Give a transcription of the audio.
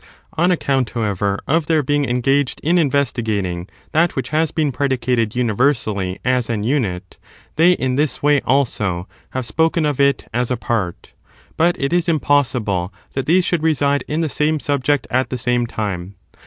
On account, however, of their being engaged in investigating that which has been predicated universally as an unit, they in this way, also, have spoken of it as a part. But it is impossible that these should reside in the same subject at the same time.